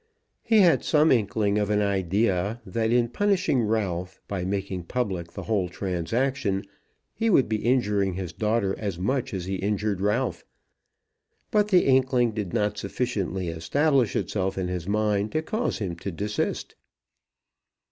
He had some inkling of an idea that in punishing Ralph by making public the whole transaction, he would be injuring his daughter as much as he injured Ralph. But the inkling did not sufficiently establish itself in his mind to cause him to desist.